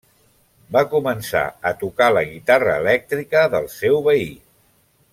Va començar a tocar la guitarra elèctrica del seu veí.